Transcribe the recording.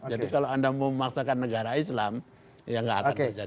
jadi kalau anda mau memaksakan negara islam ya nggak akan bisa